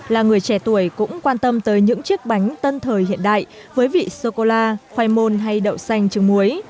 là người trẻ tuổi cũng quan tâm tới những chiếc bánh tân thời hiện đại với vị sô cô la khoai môn hay đậu xanh trứng muối